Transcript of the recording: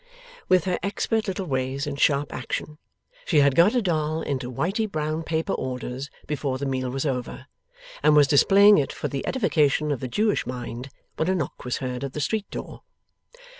With her expert little ways in sharp action, she had got a doll into whitey brown paper orders, before the meal was over, and was displaying it for the edification of the Jewish mind, when a knock was heard at the street door.